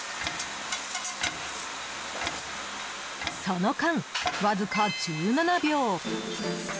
その間わずか１７秒。